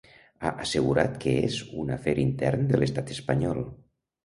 Ha assegurat que és un afer intern de l’estat espanyol.